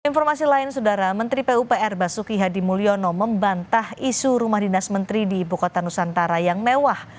informasi lain saudara menteri pupr basuki hadi mulyono membantah isu rumah dinas menteri di ibu kota nusantara yang mewah